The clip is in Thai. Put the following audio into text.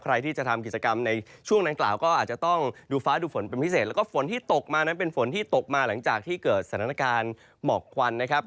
ใครที่จะทำกิจกรรมในช่วงดังกล่าวก็อาจจะต้องดูฟ้าดูฝนเป็นพิเศษแล้วก็ฝนที่ตกมานั้นเป็นฝนที่ตกมาหลังจากที่เกิดสถานการณ์หมอกควันนะครับ